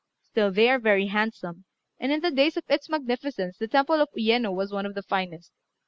Still they are very handsome, and in the days of its magnificence the Temple of Uyéno was one of the finest.